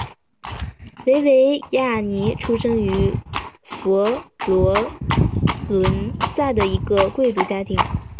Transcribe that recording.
维维亚尼出生于佛罗伦萨的一个贵族家庭。